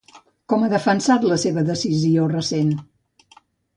Com ha defensat la seva decisió recent?